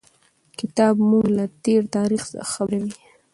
کتاب موږ له تېر تاریخ څخه خبروي.